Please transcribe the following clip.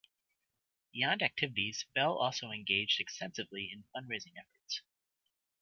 Beyond activities, Bell also engages extensively in fundraising efforts.